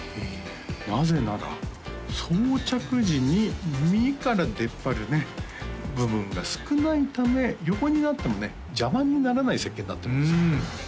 なぜなら装着時に耳から出っ張るね部分が少ないため横になってもね邪魔にならない設計になってるんです